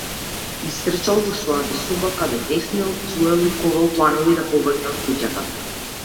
Истрчал во својата соба каде беснеел, пцуел и ковал планови да побегне од куќата.